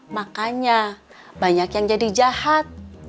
makanya banyak yang jadi jahat